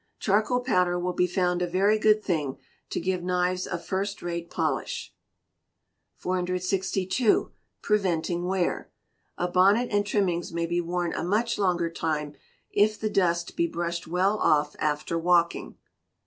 Charcoal Powder will be found a very good thing to give knives a first rate polish. 462. Preventing Wear. A bonnet and trimmings may be worn a much longer time, if the dust be brushed well off after walking.